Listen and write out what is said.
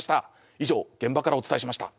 以上現場からお伝えしました。